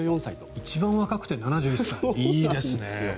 一番若くて７１歳いいですね。